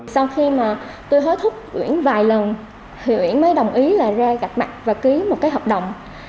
sau khi mà tôi hối thúc uyển vài lần thì uyển mới đồng ý là ra gạch mặt và ký một cái hợp đồng